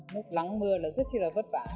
lúc lắng mưa là rất là vất vả